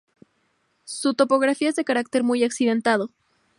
Su topografía es de carácter muy accidentado.